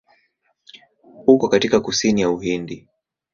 Uko katika kusini ya Uhindi.